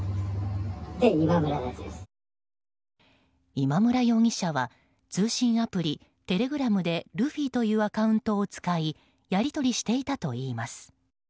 今村容疑者は通信アプリ、テレグラムでルフィというアカウントを使いやり取りしていたといいます。